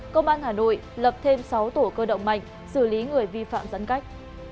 công an hà nội lập thêm sáu tổ cơ động mạnh xử lý người vi phạm dẫn cách